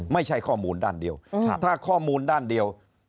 ไม่ใช่ข้อมูลด้านเดียวถ้าข้อมูลด้านเดียว